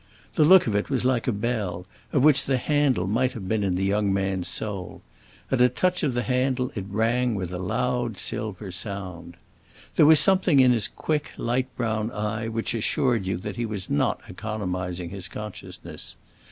The look of it was like a bell, of which the handle might have been in the young man's soul: at a touch of the handle it rang with a loud, silver sound. There was something in his quick, light brown eye which assured you that he was not economizing his consciousness.